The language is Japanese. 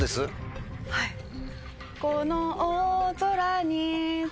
はい。